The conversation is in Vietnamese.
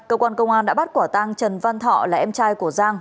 cơ quan công an đã bắt quả tang trần văn thọ là em trai của giang